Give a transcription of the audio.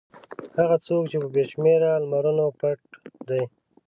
هغه څوک چې په بې شمېره لمرونو پټ دی.